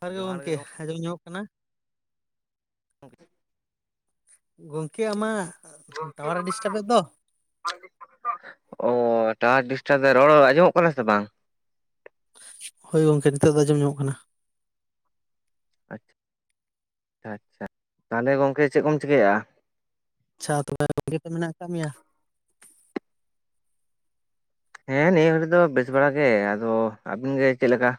ᱡᱚᱦᱟᱨ ᱜᱮ ᱜᱚᱝᱠᱮ ᱜᱚᱝ ᱟᱸᱡᱚᱢ ᱧᱟᱡᱚᱜ ᱠᱟᱱᱟ? [inaudible] ᱜᱚᱝᱠᱮ ᱟᱢᱟᱜ ᱴᱟᱣᱟᱨ ᱮ ᱰᱤᱥᱴᱟᱵ ᱮᱫ ᱫᱚ, ᱚᱻ ᱴᱟᱣᱟᱨ ᱰᱤᱥᱴᱟᱵ ᱨᱮᱦᱚᱸ ᱟᱸᱡᱚᱢᱚᱜ ᱠᱟᱱᱟ ᱥᱮ ᱵᱟᱝ? ᱦᱳᱭ ᱜᱚᱢᱠᱮ ᱱᱤᱛᱚᱜ ᱫᱚ ᱟᱸᱡᱚᱢ ᱧᱟᱢᱚᱜ ᱠᱟᱱᱟ ᱾ ᱟᱪᱪᱷᱟ, ᱛᱟᱦᱚᱞᱮ ᱜᱚᱢᱠᱮ ᱪᱮᱫ ᱠᱚᱢ ᱪᱤᱠᱟᱹᱭ ᱮᱜ-ᱟ? [inaudible] ᱵᱷᱟᱜᱮ ᱜᱮ ᱢᱮᱱᱟᱜ ᱟᱠᱟᱜ ᱢᱮᱭᱟ? ᱦᱮᱸ ᱱᱤᱭᱟᱹ ᱜᱷᱟᱹᱲᱤᱡ ᱫᱚ ᱵᱮᱥ ᱵᱟᱲᱟ ᱜᱮ, ᱟᱫᱚ ᱟᱵᱤᱱ ᱜᱮ ᱪᱮᱫ ᱞᱮᱠᱟ?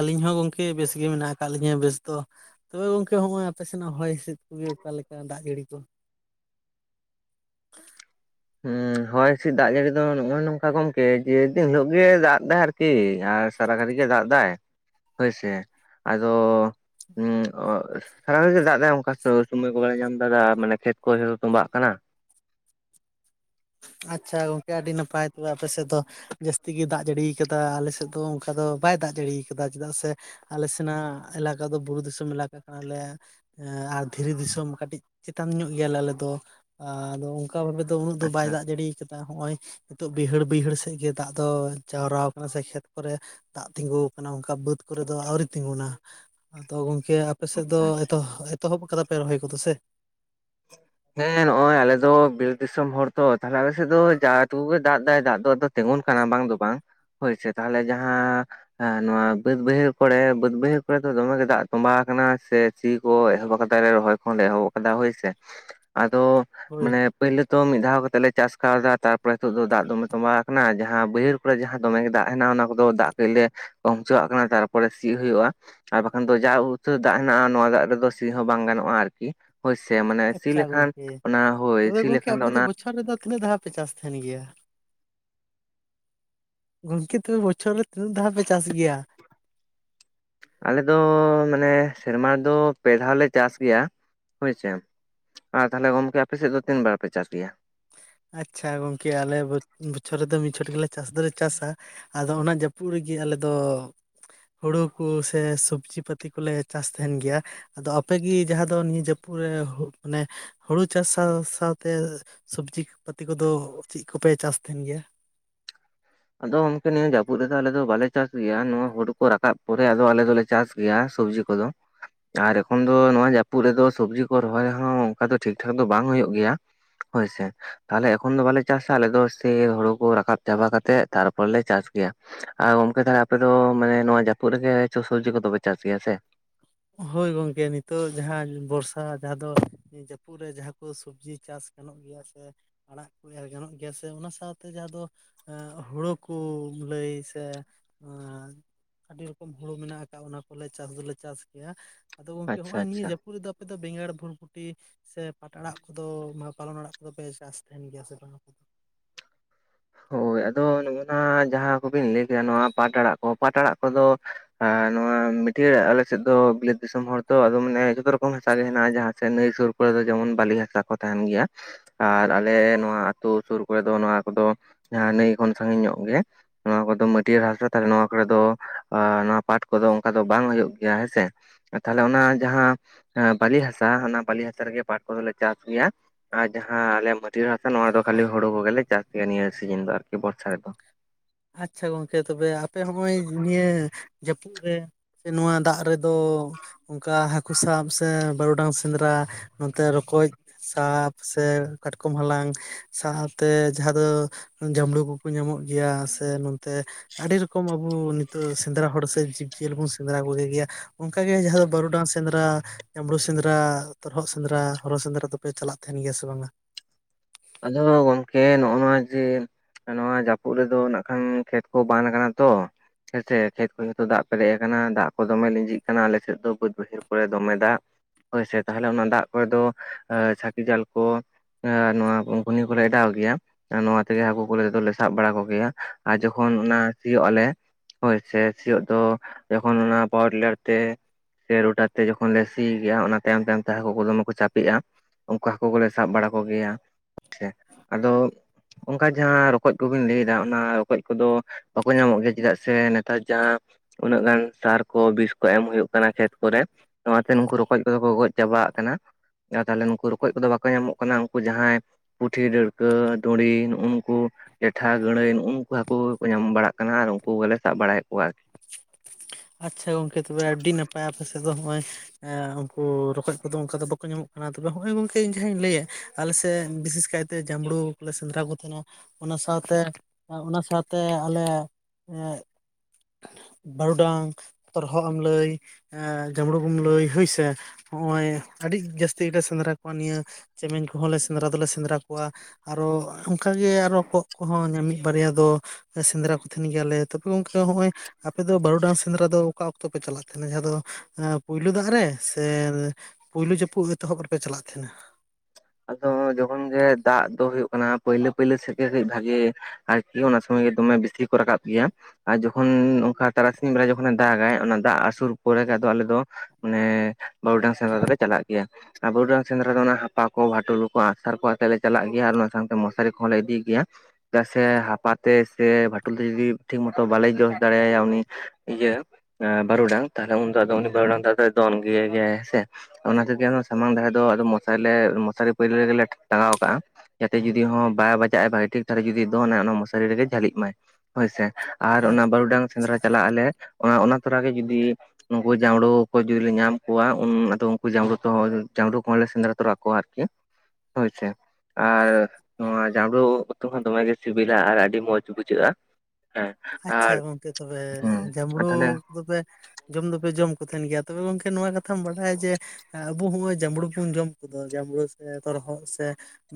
ᱟᱹᱞᱤᱧ ᱦᱚᱸ ᱜᱚᱝᱠᱮ ᱵᱮᱥ ᱜᱮ ᱢᱮᱱᱟᱜ ᱟᱠᱟᱫ ᱞᱤᱧᱟ ᱵᱮᱥ ᱫᱚ ᱾ ᱛᱚᱵᱮ ᱜᱚᱝᱠᱮ ᱦᱚᱸᱜᱼᱚᱭ ᱟᱯᱮ ᱥᱮᱱᱟᱜ ᱦᱚᱭ ᱦᱤᱸᱥᱤᱫ ᱠᱚᱜᱮ ᱚᱠᱟ ᱞᱮᱠᱟ ᱫᱟᱜ ᱡᱟᱹᱲᱤ ᱠᱚ? ᱦᱩᱸ ᱦᱚᱭ ᱦᱤᱹᱥᱤᱫ ᱫᱟᱜ ᱡᱟᱹᱲᱤ ᱫᱚ ᱱᱚᱭ-ᱚᱜ ᱱᱚᱝᱠᱟ ᱜᱚᱢᱠᱮ ᱡᱮ ᱫᱤᱱ ᱦᱤᱞᱳᱜ ᱜᱮ ᱫᱟᱜ ᱮᱫᱟ ᱟᱨᱠᱤ ᱟᱨ, ᱥᱟᱨᱟ ᱜᱷᱟᱹᱲᱤ ᱜᱮ ᱫᱟᱜ ᱫᱟᱭ ᱦᱳᱭᱥᱮ ᱟᱫᱚ ᱥᱟᱨᱟ ᱜᱷᱟᱹᱲᱤᱠ ᱮ ᱫᱟᱜ ᱫᱟᱭ ᱚᱱᱠᱟ ᱥᱚᱢᱚᱭ ᱠᱚ ᱵᱟᱞᱮ ᱧᱟᱢ ᱫᱟ ᱢᱟᱱᱮ ᱠᱷᱮᱛ ᱠᱚ ᱛᱚᱸᱵᱟᱜ ᱠᱟᱱᱟ ᱾ ᱟᱪᱪᱷᱟ ᱜᱚᱝᱠᱮ ᱟᱹᱰᱤ ᱱᱟᱯᱟᱭ ᱛᱚᱵᱮ ᱟᱯᱮ ᱥᱮᱫ ᱫᱚ, ᱡᱟᱹᱥᱛᱤ ᱜᱮ ᱫᱟᱜ ᱡᱟᱹᱲᱤ ᱟᱠᱟᱫᱟ ᱟᱞᱮᱥᱮᱫ ᱫᱚ ᱚᱱᱠᱟ ᱫᱚ ᱵᱟᱭ ᱫᱟᱜ ᱡᱟᱹᱲᱤᱭᱟ ᱠᱟᱫᱟ ᱪᱮᱫᱟᱜ ᱥᱮ, ᱟᱞᱮ ᱥᱮᱱᱟᱜ ᱮᱞᱟᱠᱟ ᱫᱚ ᱵᱩᱨᱩ ᱫᱤᱥᱚᱢ ᱮᱞᱟᱠᱟ ᱠᱟᱱᱟᱞᱮ, ᱮ ᱫᱷᱤᱨᱤ ᱫᱤᱥᱚᱢ ᱠᱟᱹᱴᱤᱡ ᱪᱮᱛᱟᱱ ᱧᱚᱜ ᱜᱮᱭᱟᱞᱮ ᱟᱞᱮ ᱫᱚ ᱟᱫᱚ ᱚᱱᱠᱟ ᱵᱷᱟᱵᱮ ᱛᱚ ᱩᱱᱟᱹᱜ ᱫᱚ ᱵᱟᱭ ᱟᱪᱪᱷᱟ ᱫᱟᱜ ᱟᱪᱪᱷᱟ ᱡᱟᱹᱲᱤ ᱟᱠᱟᱫᱟ ᱦᱚᱜ-ᱚᱭ ᱱᱤᱛᱚᱜ ᱵᱟᱹᱭᱦᱟᱹᱲ ᱵᱟᱹᱭᱦᱟᱹᱲ ᱥᱮᱫ ᱜᱮ ᱫᱟᱜ ᱫᱚ ᱡᱟᱣᱨᱟ ᱟᱠᱟᱱᱟ ᱥᱮ ᱠᱷᱮᱛ ᱠᱚ ᱨᱮ, ᱫᱟᱜ ᱛᱤᱸᱜᱩ ᱟᱠᱟᱱᱟ ᱚᱱᱠᱟ ᱵᱟᱹᱫᱽ ᱠᱚᱨᱮ ᱫᱚ ᱟᱹᱣᱨᱤ ᱛᱤᱸᱜᱩᱱᱟ ᱟᱫᱚ ᱜᱚᱝᱠᱮ, ᱟᱯᱮ ᱥᱮᱫ ᱫᱚ ᱟᱪᱪᱷᱟ ᱟᱪᱪᱷᱟ ᱮᱛᱚᱦ ᱮᱛᱚᱦᱚᱵ ᱠᱟᱫᱟ ᱯᱮ ᱨᱚᱦᱚᱭ ᱠᱚ ᱫᱚ ᱥᱮ? ᱦᱮᱸ ᱱᱚᱜ-ᱚᱜ ᱟᱞᱮ ᱫᱚ ᱵᱤᱨ ᱫᱤᱥᱚᱢ ᱦᱚᱲ ᱛᱚ ᱛᱟᱦᱞᱮ ᱟᱞᱮᱥᱮᱫ ᱫᱚ ᱡᱟ ᱴᱩᱵᱟᱹ ᱫᱟᱜ ᱛᱮ ᱫᱟᱜ ᱫᱚ, ᱛᱤᱸᱜᱳᱱ ᱠᱟᱱᱟ ᱵᱟᱝ ᱫᱚ ᱵᱟᱝ ᱦᱳᱭ ᱥᱮ ᱛᱟᱦᱚᱞᱮ ᱡᱟᱦᱟᱸ, ᱦᱮ ᱱᱚᱶᱟ ᱵᱟᱹᱫᱽ ᱵᱟᱹᱭᱦᱟᱹᱲ ᱠᱚᱨᱮ ᱵᱟᱹᱫᱽ ᱵᱟᱹᱭᱦᱟᱹᱲ ᱠᱚᱨᱮ ᱫᱚᱢᱮ ᱜᱮ ᱫᱟᱜ ᱛᱚᱸᱵᱟ ᱟᱠᱟᱱᱟ ᱥᱮ ᱥᱤ ᱠᱚ ᱮᱦᱚᱵ ᱠᱟᱫᱟ ᱞᱮ ᱨᱚᱦᱚᱭ ᱠᱷᱚᱱ ᱮᱦᱚᱵ ᱟᱠᱟᱫᱟ ᱦᱳᱭ ᱥᱮ, [unintelligible] ᱟᱫᱚ, ᱦᱳᱭ ᱢᱟᱱᱮ ᱯᱳᱭᱞᱳ ᱛᱚ ᱢᱤᱫ ᱫᱷᱟᱣ ᱠᱟᱛᱮᱜ ᱞᱮ ᱪᱟᱥ ᱠᱟᱣᱫᱟ ᱛᱟᱨᱯᱚᱨᱮ ᱦᱤᱛᱚᱜ ᱫᱚ ᱫᱟᱜ ᱫᱚᱢᱮ ᱛᱚᱸᱵᱟ ᱟᱠᱟᱱᱟ ᱡᱟᱦᱟᱸ ᱵᱟᱹᱭᱦᱟᱹᱨ, ᱡᱟᱦᱟᱸ ᱫᱚᱢᱮ ᱜᱮ ᱫᱟᱜ ᱦᱮᱱᱟᱜ ᱚᱱᱟ ᱠᱚᱫᱚ ᱫᱟᱜ ᱠᱟᱹᱡᱞᱮ ᱠᱚᱢ ᱦᱚᱪᱚᱣᱟᱜ ᱠᱟᱱᱟ ᱛᱟᱨᱯᱚᱨᱮ ᱥᱤ ᱦᱳᱭᱳᱜᱼᱟ ᱾ ᱟᱨ ᱵᱟᱠᱷᱟᱱ ᱫᱚ ᱡᱟ ᱩᱛᱟᱹᱨ ᱫᱟᱜ ᱦᱮᱱᱟᱜᱼᱟ ᱱᱚᱣᱟ ᱫᱟᱜ ᱨᱮᱫᱚ ᱥᱤ ᱦᱚᱸ ᱵᱟᱝ ᱜᱟᱱᱚᱜᱼᱟ ᱟᱨᱠᱤ ᱦᱳᱭ ᱥᱮ ᱢᱟᱱᱮ ᱥᱤ, ᱟᱪᱪᱷᱟ ᱞᱮᱠᱷᱟᱱ ᱜᱚᱝᱠᱮ ᱚᱱᱟ ᱦᱳᱭ ᱛᱚᱵᱮ ᱥᱤ ᱜᱚᱝᱠᱮ ᱞᱮᱠᱷᱟᱱ ᱟᱯᱮ ᱫᱚ ᱚᱱᱟ ᱵᱚᱪᱷᱚᱨ ᱨᱮᱫᱚ ᱛᱤᱱᱟᱹᱜ ᱫᱷᱟᱣ ᱯᱮ ᱪᱟᱥ ᱛᱟᱦᱮᱱ ᱜᱮᱭᱟ? ᱜᱚᱝᱠᱮ ᱛᱚ ᱵᱚᱪᱷᱚᱨ ᱨᱮ ᱛᱤᱱᱟᱹᱜ ᱫᱷᱟᱣ ᱯᱮ ᱪᱟᱥ ᱜᱮᱭᱟ? ᱟᱞᱮ ᱫᱚ ᱢᱟᱱᱮ ᱥᱮᱨᱢᱟ ᱨᱮᱫᱚ ᱯᱮ ᱫᱷᱟᱣ ᱞᱮ ᱪᱟᱥ ᱜᱮᱭᱟ ᱦᱳᱭ ᱥᱮ᱾ ᱟᱨ ᱛᱟᱦᱚᱞᱮ ᱜᱚᱝᱠᱮ ᱟᱯᱮ ᱥᱮᱫ ᱫᱚ ᱛᱤᱱ ᱫᱷᱟᱣ ᱯᱮ ᱪᱟᱥ ᱜᱮᱭᱟ? ᱟᱪᱪᱷᱟ ᱜᱚᱝᱠᱮ ᱟᱞᱮ ᱵᱚᱪᱷᱚᱨ ᱨᱮᱫᱚ ᱢᱤᱫ ᱪᱷᱚᱴ ᱜᱮᱞᱮ ᱪᱟᱥ ᱫᱚᱞᱮ ᱪᱟᱥᱟ᱾ ᱟᱫᱚ ᱚᱱᱟ ᱡᱟᱹᱯᱩᱫ ᱨᱤᱜᱤ ᱟᱞᱮ ᱫᱚᱼᱼ ᱦᱩᱲᱩ ᱠᱩ ᱥᱮ ᱥᱚᱵᱽᱡᱤᱯᱟᱹᱛᱤ ᱠᱚᱞᱮ ᱪᱟᱥ ᱛᱟᱦᱮᱱ ᱜᱮᱭᱟ᱾ ᱟᱫᱚ ᱟᱯᱮᱜᱤ ᱡᱟᱦᱟᱸ ᱫᱚ ᱱᱤᱭᱟᱹ ᱡᱟᱹᱯᱩᱫ ᱨᱮ ᱢᱟᱱᱮᱼᱼ ᱦᱳᱲᱳ ᱪᱟᱥ ᱥᱟᱶ ᱥᱟᱶᱛᱮ ᱥᱚᱵᱽᱡᱤ ᱯᱟᱹᱛᱤ ᱠᱚᱫᱚ ᱪᱮᱫ ᱠᱚᱯᱮ ᱪᱟᱥ ᱛᱟᱦᱮᱱ ᱜᱮᱭᱟ? ᱟᱫᱚ ᱜᱚᱝᱠᱮ ᱱᱤᱭᱟᱹ ᱡᱟᱹᱯᱩᱫ ᱨᱮᱫᱚ ᱟᱞᱮ ᱫᱚ ᱵᱟᱞᱮ ᱪᱟᱥ ᱜᱮᱭᱟ ᱱᱚᱶᱟ ᱦᱩᱲᱩ ᱠᱚ ᱨᱟᱠᱟᱵ ᱯᱚᱨᱮ ᱟᱫ ᱟᱞᱮ ᱫᱚᱞᱮᱼᱼ ᱪᱟᱥ ᱜᱮᱭᱟ ᱥᱚᱵᱽᱡᱤ ᱠᱚᱫᱚ᱾ ᱟᱨ ᱮᱠᱷᱚᱱ ᱫᱚ ᱱᱚᱣᱟ ᱡᱟᱹᱯᱩᱫ ᱨᱮᱫᱚ ᱥᱚᱵᱽᱡᱤ ᱠᱚ ᱨᱚᱦᱚᱭ ᱦᱚᱸ ᱚᱱᱠᱟ ᱫᱚ ᱴᱷᱤᱠ ᱴᱷᱟᱠ ᱫᱚ ᱵᱟᱝ ᱦᱩᱭᱩᱜ ᱜᱮᱭᱟ᱾ ᱦᱳᱭᱥᱮ ᱛᱟᱦᱞᱮ ᱮᱠᱷᱚᱱ ᱫᱚ ᱵᱟᱞᱮ ᱪᱟᱥᱟ ᱟᱞᱮ ᱫᱚ ᱥᱮ ᱦᱩᱲᱩ ᱠᱩ ᱨᱟᱠᱟᱵ ᱪᱟᱵᱟ ᱠᱟᱛᱮᱫᱼᱼ ᱛᱟᱨᱯᱚᱨᱮ ᱞᱮ ᱪᱟᱥ ᱜᱮᱭᱟ᱾ ᱟᱨ ᱜᱚᱝᱠᱮ ᱫᱷᱟᱨᱟ ᱟᱯᱮ ᱫᱚ ᱢᱟᱱᱮ ᱱᱚᱣᱟ ᱡᱟᱹᱯᱩᱫ ᱨᱮᱜᱮ ᱥᱚᱵᱽᱡᱤ ᱠᱚᱫᱚ ᱯᱮ ᱪᱟᱥ ᱜᱮᱭᱟ ᱥᱮ? ᱦᱳᱭ ᱜᱚᱢᱠᱮ ᱱᱤᱛᱚᱜ ᱡᱟᱦᱟᱸ ᱵᱚᱨᱥᱟ ᱡᱟᱦᱟᱸ ᱫᱚ᱾ ᱡᱟᱹᱯᱩᱫ ᱨᱮ ᱡᱟᱦᱟᱸ ᱠᱚ ᱥᱚᱵᱽᱡᱤ ᱪᱟᱥ ᱜᱟᱱᱚᱜ ᱜᱮᱭᱟᱼᱼ ᱟᱲᱟᱜ ᱠᱚ ᱮᱨ ᱜᱟᱱᱚᱜ ᱜᱮᱭᱟ ᱥᱮ ᱚᱱᱟ ᱥᱟᱶᱛᱮ ᱡᱟᱦᱟᱸ ᱫᱚᱼᱼ ᱦᱳᱲᱳ ᱠᱚᱢ ᱞᱟᱹᱭ ᱥᱮ ᱮᱸᱼᱼ ᱟᱹᱰᱤ ᱨᱚᱠᱚᱢ ᱦᱳᱲᱳ ᱢᱮᱱᱟᱜ ᱟᱠᱟ ᱚᱱᱟ ᱠᱚᱞᱮ ᱪᱟᱥ ᱫᱚᱞᱮ ᱪᱟᱥ ᱜᱮᱭᱟ᱾ ᱟᱫᱚ ᱜᱚᱝᱠᱮ ᱟᱪᱪᱷᱟ ᱦᱚᱸᱜᱼᱚᱭ ᱱᱤᱭᱟᱹ ᱟᱪᱪᱷᱟ ᱡᱟᱹ ᱠᱟᱨᱮ ᱫᱚ ᱟᱯᱮ ᱫᱚ ᱵᱮᱸᱜᱟᱲ, ᱵᱷᱩᱨᱵᱷᱩᱴᱤ, ᱥᱮ ᱯᱟᱴ ᱟᱲᱟᱜ ᱠᱚᱫᱚ, ᱯᱟᱞᱚᱱ ᱟᱲᱟᱜ ᱠᱚᱫᱚ ᱯᱮ ᱪᱟᱥ ᱛᱟᱦᱮᱸᱱ ᱜᱮᱭᱟ ᱥᱮ ᱵᱟᱝᱟ ᱟᱯᱮᱫᱚ? ᱦᱳᱭ ᱟᱫᱚ ᱱᱚᱜᱼᱚᱱᱟ ᱡᱟᱦᱟᱸ ᱠᱚᱵᱤᱱ ᱞᱟᱹᱭ ᱠᱮᱫᱟ ᱱᱚᱣᱟ ᱯᱟᱴ ᱟᱲᱟᱜ ᱠᱚ ᱯᱟᱴ ᱟᱲᱟᱜ ᱠᱚᱫᱚ ᱟᱨ ᱱᱚᱣᱟ ᱢᱤᱴᱤᱭᱟᱹ ᱟᱞᱮᱥᱮᱫ ᱫᱚ ᱵᱤᱞᱟᱹᱫ ᱫᱤᱥᱚᱢ ᱦᱚᱲ ᱛᱚ ᱟᱫᱚ ᱢᱟᱱᱮ ᱡᱚᱛᱚ ᱨᱚᱠᱚᱢ ᱦᱟᱥᱟ ᱜᱮ ᱦᱮᱱᱟᱜᱼᱟ ᱡᱟᱦᱟᱸᱥᱮᱫ ᱱᱟᱹᱭ ᱥᱩᱨ, ᱚᱱᱟᱫᱚ ᱡᱮᱢᱚᱱ ᱵᱟᱹᱞᱤ ᱦᱟᱥᱟ ᱠᱚ ᱛᱟᱦᱮᱸᱱ ᱜᱮᱭᱟ᱾ ᱟᱨ ᱟᱞᱮ ᱱᱚᱣᱟ ᱟᱹᱛᱩ ᱥᱩᱨ ᱠᱚᱨᱮ ᱫᱚ ᱱᱚᱣᱟ ᱠᱚᱫᱚ, ᱡᱟᱸᱦᱟ ᱱᱟᱹᱭ ᱠᱷᱚᱱ ᱥᱟᱺᱜᱤᱧ ᱧᱚᱜ ᱜᱮ᱾ ᱱᱚᱣᱟ ᱠᱚᱫᱚ ᱢᱟᱹᱴᱭᱟᱹᱲ ᱦᱟᱥᱟ ᱛᱟᱦᱞᱮ ᱱᱚᱣᱟ ᱠᱚᱨᱮ ᱫᱚ ᱱᱚᱣᱟ ᱯᱟᱴ ᱠᱚᱫᱚ ᱚᱱᱠᱟ ᱫᱚ ᱵᱟᱝ ᱦᱩᱭᱩᱜ ᱜᱮᱭᱟ ᱦᱮᱸᱥᱮ᱾ ᱛᱟᱦᱞᱮ ᱚᱱᱟ ᱡᱟᱦᱟᱸ ᱵᱟᱹᱞᱤ ᱦᱟᱥᱟ ᱚᱱᱟ ᱵᱟᱹᱞᱤ ᱦᱟᱥᱟ ᱨᱮᱜᱮ ᱯᱟᱴ ᱠᱚᱫᱚᱞᱮ ᱪᱟᱥ ᱜᱮᱭᱟ᱾ ᱟᱨ ᱡᱟᱦᱟᱸ ᱟᱞᱮ ᱢᱟᱹᱴᱭᱟᱹᱲ ᱦᱟᱥᱟ ᱱᱚᱣᱟ ᱫᱚ ᱠᱷᱟᱹᱞᱤ ᱦᱳᱲᱳ ᱠᱚᱜᱮᱞᱮ ᱪᱟᱥ ᱜᱮᱭᱟ ᱱᱤᱭᱟᱹ ᱥᱤᱡᱤᱱ ᱫᱚ ᱟᱨᱠᱤ ᱵᱚᱨᱥᱟ ᱨᱮᱫᱚ᱾ ᱟᱪᱷᱟ ᱜᱚᱝᱠᱮ ᱛᱚᱵᱮ ᱟᱯᱮ ᱦᱚᱸᱜᱼᱚᱭ ᱱᱤᱭᱟᱹ ᱡᱟᱹᱯᱩᱫ ᱨᱮ ᱥᱮ ᱱᱚᱣᱟ ᱫᱟᱜ ᱨᱮ ᱟᱫᱚ ᱚᱱᱠᱟ ᱦᱟᱹᱠᱩ ᱥᱟᱵ ᱥᱮ ᱵᱟᱹᱨᱩᱰᱟᱝ ᱥᱮᱸᱫᱽᱨᱟ ᱱᱚᱛᱮ ᱨᱚᱠᱚᱡ, ᱥᱟᱯ ᱥᱮ ᱠᱟᱴᱠᱚᱢ ᱦᱟᱞᱟᱝ ᱥᱟᱶᱛᱮ ᱡᱟᱦᱟᱸ ᱫᱚ ᱡᱟᱢᱲᱩ ᱠᱚᱠᱚ ᱧᱟᱢᱚᱜ ᱜᱮᱭᱟ ᱥᱮ ᱱᱚᱛᱮ ᱟᱹᱰᱤ ᱨᱚᱠᱚᱢ ᱟᱵᱚ ᱱᱤᱛᱚᱜ ᱥᱮᱸᱫᱽᱨᱟ ᱦᱚᱲ ᱥᱮ ᱡᱤᱵᱽᱡᱤᱭᱟᱹᱞᱤ ᱵᱚᱱ ᱥᱮᱸᱫᱽᱨᱟ ᱠᱚᱜᱮ ᱜᱮᱭᱟ᱾ ᱚᱱᱠᱟᱜᱮ ᱡᱟᱦᱟᱸ ᱫᱚ ᱵᱟᱹᱨᱩᱰᱟᱝ ᱥᱮᱸᱫᱽᱨᱟ, ᱡᱟᱢᱲᱩ ᱥᱮᱸᱫᱽᱨᱟ, ᱛᱚᱨᱦᱚᱫ ᱥᱮᱸᱫᱽᱨᱟ, ᱦᱚᱨᱚ ᱥᱮᱸᱫᱽᱨᱟ ᱫᱚᱯᱮ ᱪᱟᱞᱟᱜ ᱛᱟᱦᱮᱸᱱ ᱜᱮᱭᱟ ᱥᱮ ᱵᱟᱝᱟ? ᱟᱫᱚ ᱜᱚᱝᱠᱮ ᱱᱚᱜᱼᱚ ᱱᱚᱣᱟ ᱡᱮ ᱱᱚᱣᱟ ᱡᱟᱹᱯᱩᱫ ᱨᱮᱫᱚ ᱱᱟᱜ ᱠᱷᱟᱱ ᱠᱷᱮᱛ ᱠᱚ ᱵᱟᱱ ᱟᱠᱟᱱᱟ ᱛᱚ᱾ ᱦᱮᱸᱥᱮ ᱠᱷᱮᱛ ᱠᱚᱨᱮ ᱫᱚ ᱫᱟᱜ ᱯᱮᱨᱮᱡ ᱟᱠᱟᱱᱟ ᱫᱟᱜ ᱠᱚ ᱫᱚᱢᱮ ᱞᱤᱸᱡᱤᱜ ᱠᱟᱱᱟ ᱟᱞᱮ ᱥᱮᱫ ᱫᱚ ᱵᱟᱹᱫᱽ ᱵᱟᱹᱭᱦᱟᱹᱲ ᱠᱚᱨᱮ ᱫᱚᱢᱮ ᱫᱟᱜ᱾ ᱦᱳᱭ ᱥᱮ ᱛᱟᱦᱚᱞᱮ ᱚᱱᱟ ᱫᱟᱜ ᱠᱚᱨᱮ ᱫᱚ ᱪᱷᱟᱹᱠᱤ ᱡᱟᱞ ᱠᱚ ᱱᱚᱣᱟ ᱠᱷᱩᱱᱠᱩᱱᱤ ᱠᱚᱞᱮ ᱮᱰᱟᱣ ᱜᱮᱭᱟ᱾ ᱱᱚᱣᱟ ᱛᱮᱜᱮ ᱦᱟᱹᱠᱩ ᱠᱚᱞᱮ ᱫᱚᱞᱮ ᱥᱟᱵ ᱵᱟᱲᱟ ᱠᱚᱜᱮᱭᱟ, ᱟᱨ ᱡᱚᱠᱷᱚᱱ ᱚᱱᱟ ᱥᱤᱭᱳᱜ ᱟᱞᱮ ᱦᱳᱭ ᱥᱮ ᱥᱤᱭᱳᱜ ᱫᱚ ᱡᱚᱠᱷᱚᱱ ᱚᱱᱟ ᱯᱟᱣᱟᱨ ᱴᱮᱞᱟᱨ ᱛᱮ, ᱥᱮ ᱨᱳᱴᱟᱨ ᱛᱮ ᱡᱚᱠᱷᱚᱱ ᱞᱮ ᱥᱤ ᱜᱮᱭᱟ ᱚᱱᱟ ᱛᱟᱭᱚᱢ ᱛᱟᱭᱚᱢᱛᱮ ᱦᱟᱹᱠᱩ ᱠᱚ ᱫᱚᱢᱮ ᱠᱚ ᱪᱟᱯᱮᱜᱼᱟ᱾ ᱩᱱᱠᱩ ᱦᱟᱹᱠᱩ ᱠᱚᱞᱮ ᱥᱟᱵ ᱵᱟᱲᱟ ᱠᱚᱜᱮᱭᱟ᱾ ᱟᱪᱷᱟ ᱟᱫᱚ ᱚᱱᱠᱟ ᱡᱟᱦᱟᱸ ᱨᱚᱠᱚᱡ ᱠᱚᱵᱤᱱ ᱞᱟᱹᱭᱫᱟ ᱚᱱᱟ ᱨᱚᱠᱚᱡ ᱠᱚᱫᱚ ᱵᱟᱠᱚ ᱧᱟᱢᱚᱜ ᱜᱮᱭᱟ ᱪᱮᱫᱟᱜ ᱥᱮ ᱱᱮᱛᱟᱨ ᱡᱟᱦᱟᱸ ᱩᱱᱟᱹᱜ ᱜᱟᱱ ᱥᱟᱨ ᱠᱚ, ᱵᱤᱥ ᱠᱚ, ᱮᱢ ᱦᱩᱭᱩᱜ ᱠᱟᱱᱟ ᱠᱷᱮᱛ ᱠᱚᱨᱮ᱾ ᱱᱚᱣᱟᱛᱮ ᱱᱩᱝᱠᱩ ᱨᱚᱠᱚᱡᱽ ᱠᱚᱫᱚ ᱠᱚ ᱜᱚᱡᱽ ᱪᱟᱵᱟᱜ ᱠᱟᱱᱟ᱾ ᱡᱟᱦᱟᱸ ᱛᱟᱦᱞᱮ ᱩᱱᱠᱩ ᱨᱚᱠᱚᱡᱽ ᱠᱚᱫᱚ ᱵᱟᱠᱚ ᱧᱟᱢᱚᱜ ᱠᱟᱱᱟ ᱩᱱᱠᱩ ᱡᱟᱦᱟᱸᱭ ᱯᱩᱴᱷᱤ, ᱰᱟᱹᱲᱠᱟᱹ, ᱫᱩᱲᱤ, ᱱᱩᱜ-ᱩᱸ ᱱᱩᱝᱠᱩ ᱡᱮᱴᱷᱟ, ᱜᱟᱹᱲᱟᱹᱭ, ᱱᱩᱜ-ᱩ ᱱᱩᱝᱠᱩ ᱦᱟᱹᱠᱩ ᱠᱚᱜᱮ ᱠᱟ ᱧᱟᱢ ᱵᱟᱲᱟᱜ ᱠᱟᱱᱟ ᱟᱨ ᱩᱱᱠᱩ ᱜᱮᱞᱮ ᱥᱟᱵ ᱵᱟᱲᱟᱭᱮᱫ ᱠᱚᱣᱟ᱾ ᱟᱨᱠᱤ᱾ ᱟᱪᱷᱟ ᱜᱚᱝᱠᱮ ᱛᱚᱵᱮ ᱟᱹᱰᱤ ᱱᱟᱯᱟᱭ ᱟᱯᱮ ᱥᱮᱫ ᱫᱚ ᱦᱚᱸᱜ-ᱚᱭ ᱮᱸ ᱩᱱᱠᱩ ᱨᱚᱠᱚᱡᱽ ᱠᱚᱫᱚ ᱚᱱᱠᱟ ᱫᱚ ᱵᱟᱠᱚ ᱧᱟᱢᱚᱜ ᱠᱟᱱᱟ ᱛᱚᱵᱮ ᱦᱚᱸᱜᱼᱚᱭ ᱜᱚᱝᱠᱮ ᱤᱧ ᱡᱟᱦᱟᱸᱧ ᱞᱟᱹᱭᱟ ᱟᱞᱮ ᱥᱮᱫ ᱵᱤᱥᱮᱥ ᱠᱟᱭᱛᱮ ᱡᱟᱢᱵᱽᱲᱩ ᱠᱚᱞᱮ ᱥᱮᱸᱫᱽᱨᱟ ᱠᱚ ᱛᱟᱦᱮᱸᱱᱟ᱾ ᱚᱱᱟ ᱥᱟᱶᱛᱮ, ᱟ ᱚᱱᱟ ᱥᱟᱶᱛᱮ ᱟᱞᱮ ᱮᱸ ᱵᱟᱨᱩᱰᱟᱝ, ᱛᱚᱨᱦᱚᱫ ᱮᱢ ᱞᱟᱹᱭ ᱮᱸ ᱡᱟᱸᱵᱲᱳ ᱠᱚᱢ ᱞᱟᱹᱭ ᱦᱳᱭᱥᱮ, ᱦᱚᱸᱜᱼᱚᱭ ᱟᱹᱰᱤ ᱡᱟᱹᱥᱛᱤ ᱜᱮᱴᱮ ᱥᱮᱸᱫᱽᱨᱟ ᱠᱚᱣᱟ ᱱᱤᱭᱟᱹ ᱪᱮᱢᱮᱧ ᱠᱚᱦᱚᱸ ᱞᱮ ᱥᱮᱸᱫᱽᱨᱟ ᱫᱚᱞᱮ ᱥᱮᱸᱫᱽᱨᱟ ᱠᱚᱣᱟ᱾ ᱟᱨᱚ ᱚᱱᱠᱟᱜᱮ ᱟᱨᱚ ᱠᱚᱸᱜ ᱠᱚᱦᱚᱸ ᱢᱤᱫ ᱵᱟᱨᱭᱟ ᱫᱚ ᱮᱸ ᱥᱮᱸᱫᱽᱨᱟ ᱠᱚ ᱛᱟᱦᱮᱸᱱ ᱜᱮᱭᱟᱞᱮ ᱛᱚᱵᱮ ᱜᱚᱝᱠᱮ ᱦᱚᱸᱜ-ᱚᱭ ᱟᱯᱮ ᱫᱚ ᱵᱟᱨᱩᱰᱟᱝ ᱥᱮᱸᱫᱽᱨᱟ ᱫᱚ ᱚᱠᱟ ᱚᱠᱛᱚ ᱯᱮ ᱪᱟᱞᱟᱜ ᱛᱟᱸᱦᱮᱱᱟ ᱡᱟᱦᱟᱸ ᱫᱚ ᱯᱩᱭᱞᱩ ᱫᱟᱜ ᱨᱮ ᱥᱮ ᱯᱩᱭᱞᱩ ᱡᱟᱹᱯᱩᱫ ᱮᱛᱚᱦᱚᱵ ᱨᱮᱯᱮ ᱪᱟᱞᱟᱜ ᱛᱟᱦᱮᱸᱱᱟ? ᱟᱫᱚ ᱡᱚᱠᱷᱚᱱ ᱜᱮ ᱫᱟᱜ ᱫᱚ ᱦᱩᱭᱩᱜ ᱠᱟᱱᱟ ᱯᱟᱹᱭᱞᱟᱹ ᱯᱟᱹᱭᱞᱟᱹ ᱥᱮᱫ ᱜᱮ ᱠᱟᱹᱡ ᱵᱷᱟᱜᱮ ᱟᱨᱠᱤ ᱚᱱᱟ ᱥᱩᱚᱢᱚᱭ ᱜᱮ ᱫᱚᱢᱮ ᱵᱤᱥᱤ ᱠᱚ ᱨᱟᱠᱟᱵ ᱜᱮᱭᱟ᱾ ᱟᱨ ᱡᱚᱠᱷᱚᱱ ᱚᱱᱠᱟ ᱛᱟᱨᱟᱥᱤᱧ ᱵᱮᱲᱟ ᱡᱚᱠᱷᱚᱱᱮ ᱫᱟᱜᱟᱭ ᱚᱱᱟ ᱫᱟᱜ ᱦᱟᱹᱥᱩᱨ ᱯᱚᱨᱮ ᱜᱮ ᱟᱫᱟ ᱟᱞᱮᱫᱚ ᱢᱟᱱᱮ ᱵᱟᱹᱨᱩᱰᱟᱝ ᱥᱮᱸᱫᱽᱨᱟ ᱫᱚᱞᱮ ᱪᱟᱞᱟᱜ ᱜᱮᱭᱟ, ᱟᱨ ᱵᱟᱹᱨᱩᱰᱟᱝ ᱥᱮᱸᱫᱽᱨᱟ ᱫᱚ ᱚᱱᱟ ᱦᱟ ᱯᱟ ᱠᱚ, ᱵᱷᱟᱴᱳᱞ ᱠᱚ, ᱟᱸᱜ-ᱥᱟᱨ ᱠᱚ ᱟᱛᱮ ᱞᱮ ᱪᱟᱞᱟᱜ ᱜᱮᱭᱟ ᱟᱨ ᱚᱱᱟ ᱥᱟᱶᱛᱮ ᱢᱚᱥᱟᱨᱤ ᱠᱚᱦᱚᱸ ᱞᱮ ᱤᱫᱤ ᱜᱮᱭᱟ᱾ ᱪᱮᱫᱟᱜ ᱥᱮ ᱦᱟᱯᱟ ᱛᱮ ᱥᱮ ᱵᱷᱟᱴᱩᱞ ᱛᱮ ᱡᱩᱫᱤ ᱴᱷᱤᱠ ᱢᱚᱛᱚ ᱵᱟᱞᱮ ᱡᱚᱥ ᱫᱟᱲᱮᱭᱟᱭᱟ ᱩᱱᱤ ᱤᱭᱟᱹ ᱩᱸ ᱵᱟᱹᱨᱩᱰᱟᱝ ᱛᱟᱦᱞᱮ ᱩᱱᱫᱚ ᱟᱫᱚ ᱩᱱᱤ ᱵᱟᱹᱨᱩᱰᱟᱝ ᱫᱚ ᱟᱫᱚᱭ ᱫᱚᱱ ᱜᱤᱭᱟᱹ ᱜᱮᱭᱟᱭ ᱦᱮᱸ ᱥᱮ᱾ ᱚᱱᱟ ᱛᱮᱜᱮ ᱥᱟᱢᱟᱝ ᱫᱷᱟᱨᱮ ᱫᱚ ᱟᱫᱚ ᱢᱚᱥᱟᱨᱤ ᱞᱮ ᱢᱚᱥᱟᱨᱤ ᱯᱟᱹᱭᱞᱟᱹ ᱨᱮᱜᱮᱞᱮ ᱴᱟᱸᱟᱜᱟᱣ ᱠᱟᱜᱼᱟ, ᱡᱟᱛᱮ ᱡᱩᱫᱤ ᱦᱚᱸ ᱵᱟᱭ ᱵᱟᱡᱟᱜᱼᱟ ᱵᱷᱟᱜᱮ ᱴᱷᱤᱠ ᱛᱟᱞᱦᱮ ᱡᱩᱫᱤ ᱫᱚᱱᱟᱭ ᱚᱱᱟ ᱢᱚᱥᱟᱨᱤ ᱨᱮᱜᱮ ᱡᱷᱟᱹᱞᱤᱜ ᱢᱟᱭ᱾ ᱦᱳᱭ ᱥᱮ᱾ ᱟᱨ ᱚᱱᱟ ᱵᱟᱹᱨᱩᱰᱟᱝ ᱟᱪᱪᱷᱟ ᱥᱮᱸᱫᱽᱨᱟ ᱪᱟᱞᱟᱜ ᱟᱞᱮ ᱚᱱᱟ ᱚᱱᱟ ᱛᱚᱨᱟᱜᱮ ᱡᱩᱫᱤ ᱱᱩᱝᱠᱩ ᱡᱟᱸᱢᱲᱳ ᱠᱚ ᱡᱩᱫᱤ ᱞᱮ ᱧᱟᱢ ᱠᱚᱣᱟ ᱩᱱ ᱟᱫᱚ ᱩᱱᱠᱩ ᱡᱟᱸᱢᱲᱳ ᱛᱮᱦᱚᱸ ᱡᱟᱸᱢᱲᱳ ᱠᱚᱦᱚᱸ ᱞᱮ ᱥᱮᱸᱫᱽᱨᱟ ᱛᱚᱨᱟ ᱠᱚᱣᱟ ᱟᱨᱠᱤ ᱦᱳᱣ ᱥᱮ᱾ ᱟᱨ ᱱᱚᱣᱟ ᱡᱟᱸᱢᱲᱳ ᱩᱛᱩ ᱦᱚᱸ ᱫᱚᱢᱮ ᱜᱮ ᱥᱤᱵᱤᱞᱟ ᱟᱨ ᱟᱹᱰᱤ ᱢᱚᱸᱡᱽ ᱵᱩᱡᱷᱟᱹᱜᱼᱟ᱾ ᱦᱮᱸ ᱟᱪᱪᱷᱟ ᱟᱨ ᱜᱚᱝᱠᱮ ᱛᱚᱵᱮ ᱦᱩᱸ ᱡᱟᱸᱢᱲᱳ ᱛᱟᱦᱚᱞᱮ ᱠᱚᱫᱚ ᱯᱮ ᱡᱚᱢ ᱫᱚᱯᱮ ᱡᱚᱢ ᱠᱚ ᱛᱟᱦᱮᱱ ᱜᱮᱭᱟ ᱛᱚᱵᱮ ᱜᱚᱝᱠᱮ ᱱᱚᱣᱟ ᱠᱟᱛᱷᱟᱢ ᱵᱟᱰᱟᱭᱟ ᱡᱮ ᱮᱸ ᱟᱵᱩ ᱦᱚᱸᱜ-ᱚᱭ ᱡᱟᱸᱵᱲᱳ ᱵᱚᱱ ᱡᱚᱢ ᱠᱚᱫᱚ ᱡᱟᱸᱢᱲᱳ ᱥᱮ ᱛᱚᱨᱦᱚᱫ ᱥᱮ